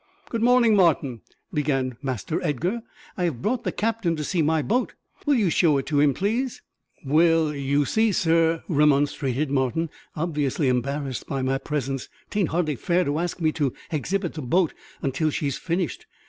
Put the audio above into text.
"Good morning, Martin," began Master Edgar. "I have brought the captain to see my boat. Will you show it him, please?" "Well, you see, sir," remonstrated Martin, obviously embarrassed by my presence, "'tain't hardly fair to ask me to hexhibit the boat until she's finished.